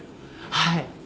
はい。